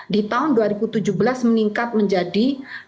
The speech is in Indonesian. di tahun dua ribu tujuh belas meningkat menjadi